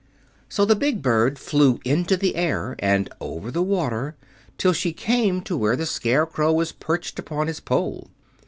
So the big bird flew into the air and over the water till she came to where the Scarecrow was perched upon his pole.